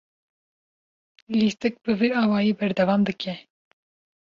Lîstik bi vî awayî berdewam dike.